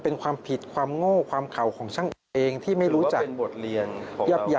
ลองฟังช่วงนี้ก่อนค่ะ